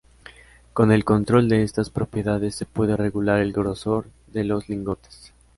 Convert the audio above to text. Con el control de estas propiedades se puede regular el grosor de los lingotes.